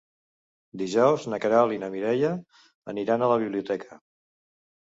Dijous na Queralt i na Mireia aniran a la biblioteca.